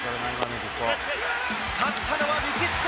勝ったのはメキシコ。